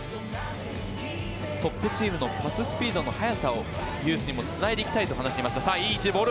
トップチームのパススピードの速さをユースにもつないでいきたいと話していました。